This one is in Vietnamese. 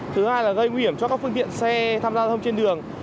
thứ hai là gây nguy hiểm cho các phương tiện xe tham gia giao thông trên đường